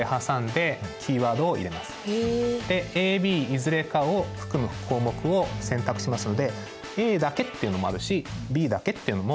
ＡＢいずれかを含む項目を選択しますのでＡだけっていうのもあるしＢだけっていうのもある。